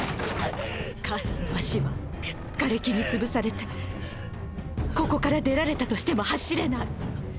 母さんの足は瓦礫に潰されてここから出られたとしても走れない。